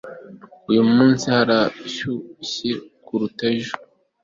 uyu munsi harashyushye kuruta ejo